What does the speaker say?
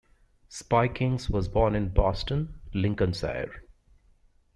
Spikings was born in Boston, Lincolnshire.